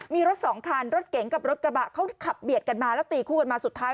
มีรถสองคันรถเก๋งกับรถกระบะเขาขับเบียดกันมาแล้วตีคู่กันมาสุดท้าย